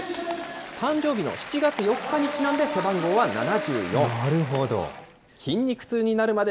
誕生日の７月４日にちなんで背番なるほど。